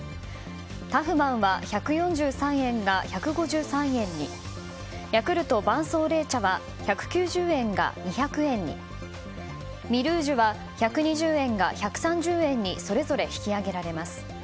タフマンは１４３円が１５３円にヤクルト蕃爽麗茶は１９０円が２００円にミルージュは１２０円が１３０円にそれぞれ引き上げられます。